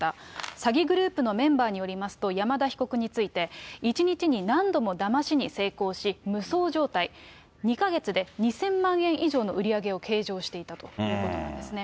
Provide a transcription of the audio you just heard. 詐欺グループのメンバーによりますと、山田被告について、１日に何度もだましに成功し、無双状態、２か月で２０００万円以上の売り上げを計上していたということなんですね。